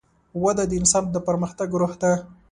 وده د انسان د پرمختګ روح ده.